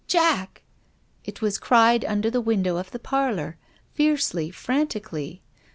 " Jack !" It was cried under the window of the parlour, fiercely, frantically.